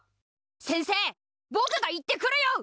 先生ぼくが行ってくるよ！